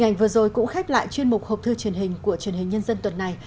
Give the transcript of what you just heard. hình của chúng tôi cũng khép lại chuyên mục hộp thư truyền hình của truyền hình nhân dân tuần này